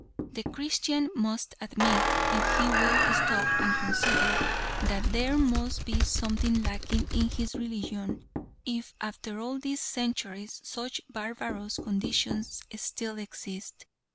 The Christian must admit, if he will stop and consider, that there must be something lacking in his religion, if after all these centuries, such barbarous conditions still exist.